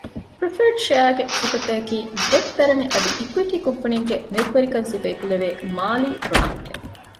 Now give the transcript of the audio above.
ޕްރެފަރޑް ޝެއަރގެ ސިފަތަކަކީ ޑެޓް ދަރަނި އަދި އިކުއިޓީ ކުންފުނީގެ މިލްކުވެރިކަން ސިފަ އެކުލެވޭ މާލީ ޕްރޮޑަކްޓެއް